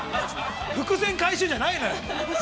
伏線回収じゃないのよ。